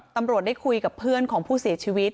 ตำรวจได้คุยกับเพื่อนของผู้เสียชีวิต